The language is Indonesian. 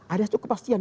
ada itu kepastian